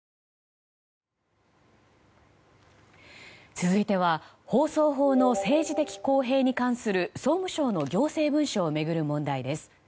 続いては放送法の政治的公平性に関する総務省の行政文書を巡る問題です。